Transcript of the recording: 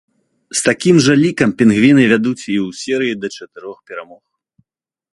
З такім жа лікам пінгвіны вядуць і ў серыі да чатырох перамог.